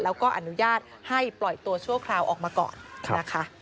แล้วก็อนุญาตให้ปล่อยตัวชั่วคราวออกมาก่อนนะคะ